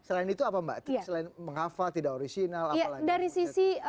selain itu apa mbak selain menghafal tidak orisinal apalagi